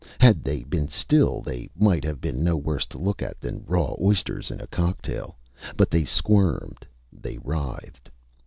Had they been still, they might have been no worse to look at than raw oysters in a cocktail. But they squirmed. They writhed.